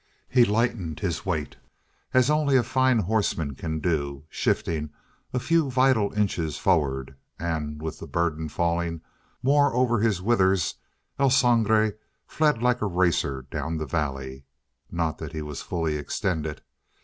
He lightened his weight as only a fine horseman can do, shifting a few vital inches forward, and with the burden falling more over his withers, El Sangre fled like a racer down the valley. Not that he was fully extended.